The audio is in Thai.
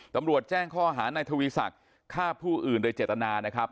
ตำรวจแจ้งข้อหานายทวีศักดิ์ฆ่าผู้อื่นโดยเจตนานะครับ